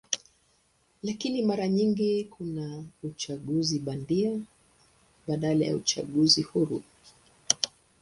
Lakini mara nyingi kuna uchaguzi bandia badala ya uchaguzi huru.